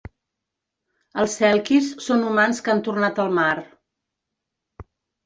Els selkis són humans que han tornat al mar.